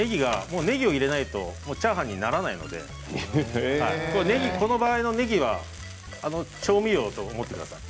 ねぎを入れないとチャーハンにならないのでこの場合のねぎは調味料と思ってください。